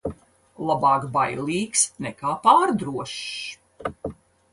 Labāk bailīgs nekā pārdrošs.